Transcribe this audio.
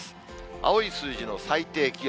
青い数字の最低気温。